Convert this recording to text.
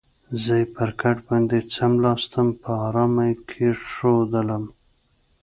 زه یې پر کټ باندې څملاستم، په آرامه یې کېښودلم.